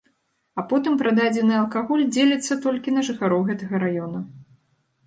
А потым прададзены алкаголь дзеліцца толькі на жыхароў гэтага раёна.